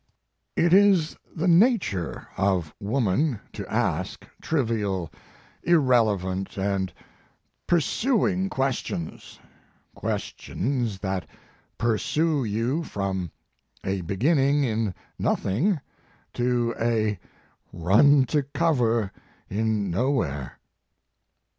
"It is the nature of woman to ask trivial, irrelevant and pursuing ques tions, questions that pursue you from a beginning in nothing to a run to cover in nowhere."